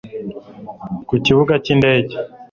ku kibuga cy indege